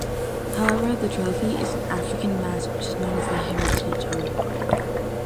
However, the trophy is an African mask which is known as the Heritage Award.